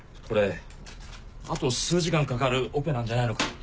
これあと数時間かかるオペなんじゃないのか？